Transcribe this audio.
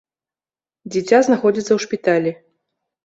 Дзіця знаходзіцца ў шпіталі.